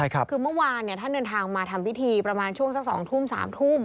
คือเมื่อวานท่านเดินทางมาทำพิธีประมาณช่วงสัก๒ทุ่ม๓ทุ่ม